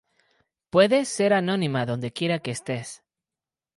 puedes ser anonima dónde quiera que estés